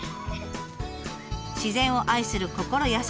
自然を愛する心優